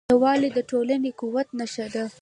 یووالی د ټولنې د قوت نښه ده.